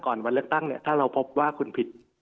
วันเลือกตั้งเนี่ยถ้าเราพบว่าคุณผิด